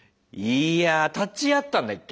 いやぁ立ち会ったんだっけ？